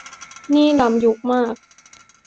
นี่ล้ำยุคมาก